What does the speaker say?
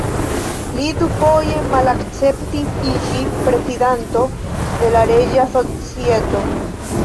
Li dufoje malakceptis iĝi Prezidanto de la Reĝa Societo.